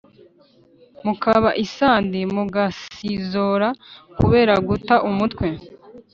mukaba isandi mugasizora kubera guta umutwe